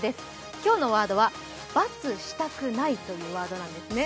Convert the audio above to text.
今日のワードは「×したくない」というワードなんですね。